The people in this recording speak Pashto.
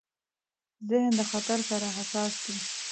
ذهن د خطر سره حساس دی.